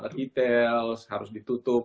details harus ditutup